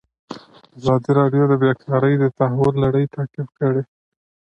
ازادي راډیو د بیکاري د تحول لړۍ تعقیب کړې.